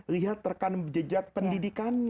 lihat rekan jejak pendidikannya